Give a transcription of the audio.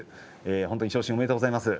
本当に昇進おめでとうございます。